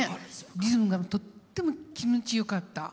リズムがとっても気持ちよかった。